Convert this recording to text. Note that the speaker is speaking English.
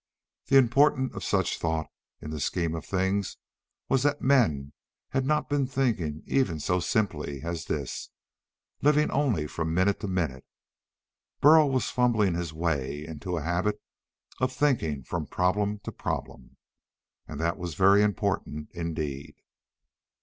The importance of such thought in the scheme of things was that men had not been thinking even so simply as this, living only from minute to minute. Burl was fumbling his way into a habit of thinking from problem to problem. And that was very important indeed.